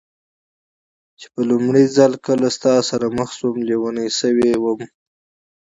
چې په لومړي ځل کله ستا سره مخ شوم، لېونۍ شوې وم.